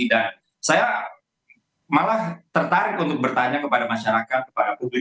saya malah tertarik untuk bertanya kepada masyarakat kepada publik